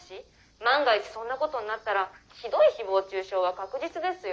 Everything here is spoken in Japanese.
万が一そんなことになったら酷い誹謗中傷は確実ですよ」。